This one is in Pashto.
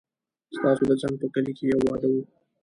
ستاسو د څنګ په کلي کې يو واده و